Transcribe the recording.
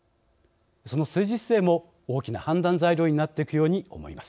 その政治姿勢も大きな判断材料になっていくように思います。